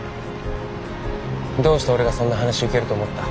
どうして俺がそんな話受けると思った？